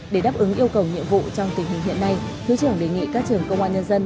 để đáp ứng yêu cầu nhiệm vụ trong tình hình hiện nay thứ trưởng đề nghị các trường công an nhân dân